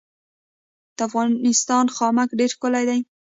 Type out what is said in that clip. د افغانستان خامک ډیر ښکلی دی